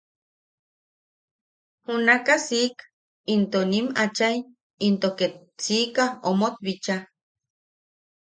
Junakaʼa siik, into nim achai into ket siika omot bichaa.